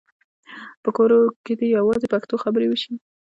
په کور کې دې یوازې پښتو خبرې وشي.